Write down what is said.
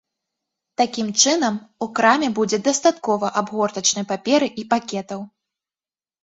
Такім чынам, у краме будзе дастаткова абгортачнай паперы і пакетаў.